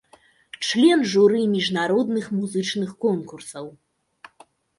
Член журы міжнародных музычных конкурсаў.